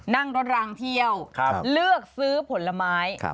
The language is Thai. นั่งรถรางเที่ยวเลือกซื้อผลไม้